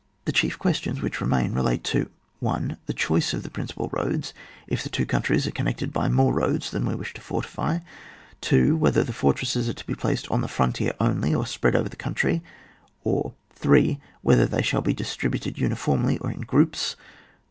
The chief questions which remain re late to — 1 . The choice of the principal roads, if the two countries are connected by more roads than we wish to fortily. 2. Whether the fortresses are to be placed on the frontier onlj, or spread over the country. Or, 3. Whether they shall be distributed uniformly, or in groups.